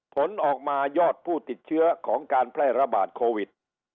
ผลออกมายอดผู้ติดเชื้อของการแพร่ระบาดโควิด